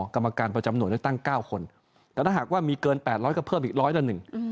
กรรมการประจำหน่วยเลือกตั้ง๙คนแต่ถ้าหากว่ามีเกิน๘๐๐ก็เพิ่มอีกร้อยละหนึ่ง